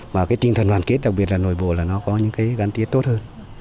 và cái tinh thần đoàn kết đặc biệt là nội bộ là nó có những cái gắn tiết tốt hơn